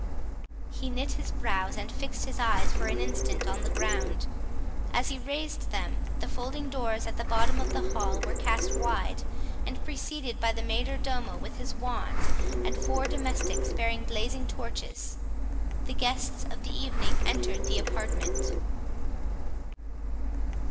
He knit his brows, and fixed his eyes for an instant on the ground; as he raised them, the folding doors at the bottom of the hall were cast wide, and, preceded by the major domo with his wand, and four domestics bearing blazing torches, the guests of the evening entered the apartment.